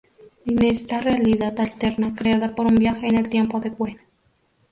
En esta realidad alterna creada por un viaje en el tiempo de Gwen.